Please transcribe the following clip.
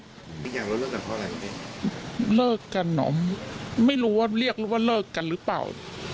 อยากเลิกกับพ่ออะไรเลิกกันเหรอไม่รู้ว่าเรียกว่าเลิกกันหรือเปล่า